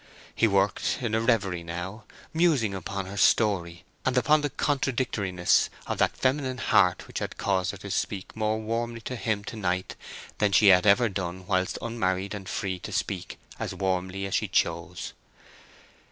He worked in a reverie now, musing upon her story, and upon the contradictoriness of that feminine heart which had caused her to speak more warmly to him to night than she ever had done whilst unmarried and free to speak as warmly as she chose.